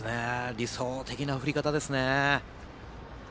理想的な振り方ですね。